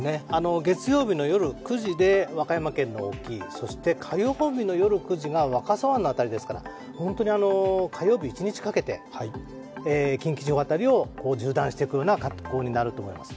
月曜日の夜９時で和歌山県の沖、そして火曜日の夜９時が若狭湾の辺りですから本当に、火曜日一日かけて近畿地方辺りを縦断していくような格好になると思います。